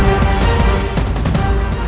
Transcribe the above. menjadi tempatmu berbagi